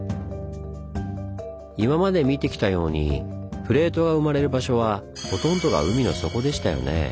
今まで見てきたようにプレートが生まれる場所はほとんどが海の底でしたよね。